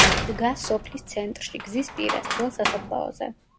დგას სოფლის ცენტრში, გზის პირას, ძველ სასაფლაოზე.